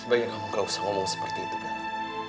sebagian kamu gak usah ngomong seperti itu bella